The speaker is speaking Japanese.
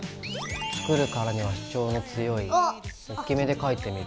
作るからには主張の強いおっきめで描いてみる。